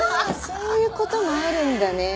そういうこともあるんだね。